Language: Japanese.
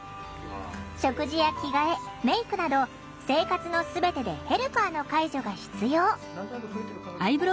食事や着替えメークなど生活の全てでヘルパーの介助が必要。